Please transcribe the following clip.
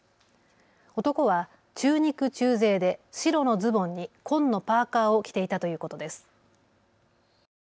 男は中肉中背で白のズボンに紺のパーカーを着ていたということです。